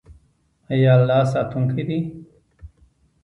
آیا الله ساتونکی دی؟